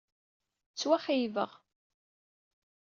Ttwaxeyybeɣ.